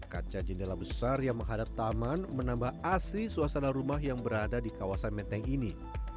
kaca jendela besar yang menghadap taman menambah asli suasana rumah yang berada di kawasan menteng ini